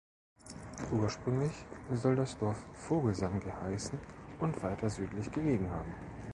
Ursprünglich soll das Dorf "Vogelsang" geheißen und weiter südlich gelegen haben.